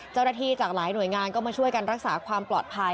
เจ้าหน้าที่จากหลายหน่วยงานก็มาช่วยกันรักษาความปลอดภัย